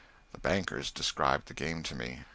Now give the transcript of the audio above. The bankers described the game to me.